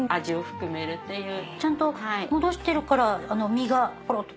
ちゃんと戻してるから身がポロっと。